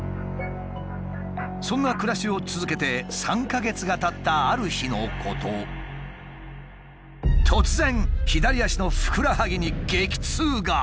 そんな暮らしを続けて３か月がたったある日のこと突然左足のふくらはぎに激痛が。